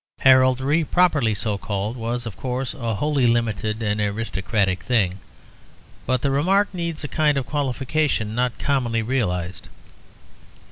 Heraldry properly so called was, of course, a wholly limited and aristocratic thing, but the remark needs a kind of qualification not commonly realized.